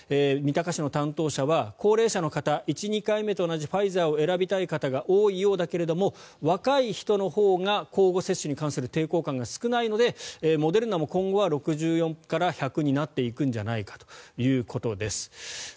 三鷹市の担当者は高齢者の方１、２回目と同じファイザーを選ぶ方が多いようですが若い人のほうが交互接種に関する抵抗感が少ないのでモデルナも今後は６４から１００になっていくんじゃないかということです。